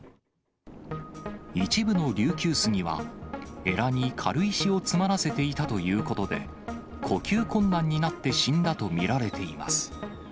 一部の琉球スギは、えらに軽石を詰まらせていたということで、呼吸困難になって死んだと見られています。